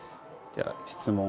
じゃあ質問。